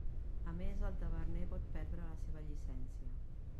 A més, el taverner pot perdre la seva llicència.